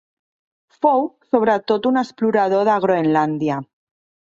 Fou sobretot un explorador de Groenlàndia.